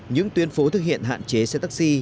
những tuyến phố thực hiện hạn chế xe taxi